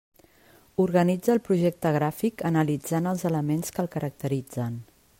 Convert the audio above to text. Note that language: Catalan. Organitza el projecte gràfic analitzant els elements que el caracteritzen.